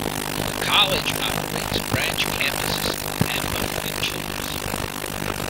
The College operates branch campuses in Pampa and Childress.